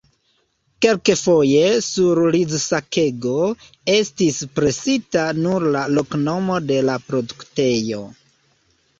Kelkfoje sur rizsakego estis presita nur la loknomo de la produktejo.